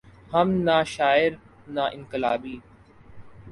ہم نہ شاعر نہ انقلابی۔